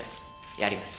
やります